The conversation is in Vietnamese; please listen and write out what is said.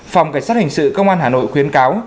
phòng cảnh sát hình sự công an hà nội khuyến cáo